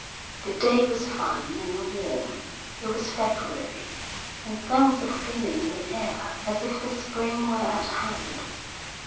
The day was fine and warm. It was February, and there was a feeling in the air as if the spring were at hand.